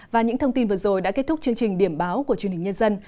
và những thông tin vừa rồi đã kết thúc chương trình điểm báo của chương trình nhân dân